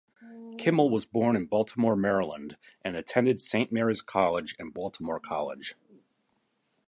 Kimmel was born in Baltimore, Maryland, and attended Saint Mary's College and Baltimore College.